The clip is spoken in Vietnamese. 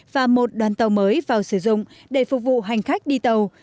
và một đoàn tàu mới vào sử dụng để phục vụ hành khách đi tàu